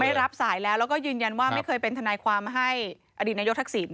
ไม่รับสายแล้วแล้วก็ยืนยันว่าไม่เคยเป็นทนายความให้อดีตนายกทักษิณ